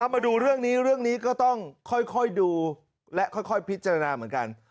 มาดูเรื่องนี้เรื่องนี้ก็ต้องค่อยดูและค่อยพิจารณาเหมือนกัน